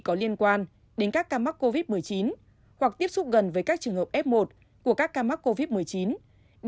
có liên quan đến các ca mắc covid một mươi chín hoặc tiếp xúc gần với các trường hợp f một của các ca mắc covid một mươi chín